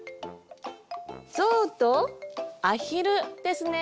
ゾウとアヒルですね。